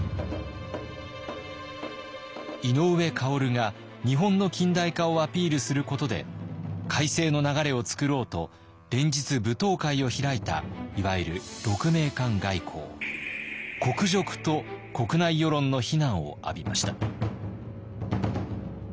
井上馨が日本の近代化をアピールすることで改正の流れを作ろうと連日舞踏会を開いたいわゆる「国辱」と国内世論の非難を浴びました。